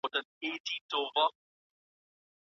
پالک بې مالګي نه پخېږي.